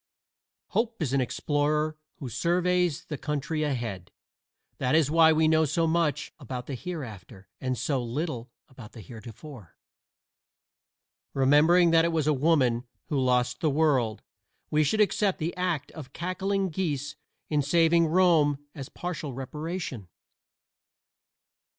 Hope is an explorer who surveys the country ahead. That is why we know so much about the Hereafter and so little about the Heretofore. Remembering that it was a woman who lost the world, we should accept the act of cackling geese in saving Rome as partial reparation.